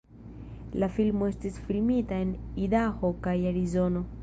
La filmo estis filmita en Idaho kaj Arizono.